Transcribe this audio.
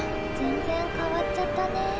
全然変わっちゃったね。